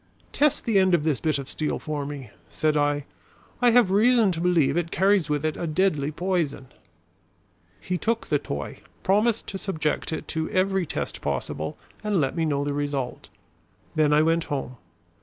"Test the end of this bit of steel for me," said I. "I have reason to believe it carries with it a deadly poison." He took the toy, promised to subject it to every test possible and let me know the result. Then I went home.